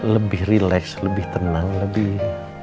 lebih relax lebih tenang lebih